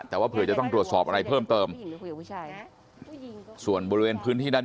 แต่ว่าเผื่อจะต้องตรวจสอบอะไรเพิ่มเติมส่วนบริเวณพื้นที่ด้าน